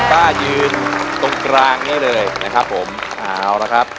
ป้ายืนตรงกลางได้เลยนะครับผมเอาละครับ